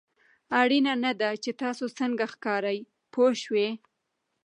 اړینه نه ده چې تاسو څنګه ښکارئ پوه شوې!.